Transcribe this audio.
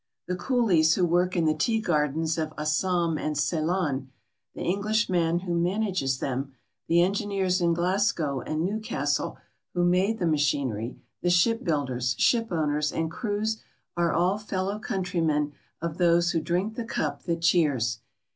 The coolies who work in the tea gardens of Assam and Ceylon, the Englishman who manages them, the engineers in Glasgow and Newcastle who made the machinery, the shipbuilders, shipowners, and crews, are all fellow countrymen of those who drink the cup that cheers.